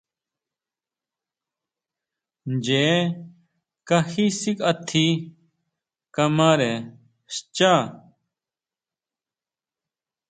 Ñee kaji síkʼatji kamare xchá.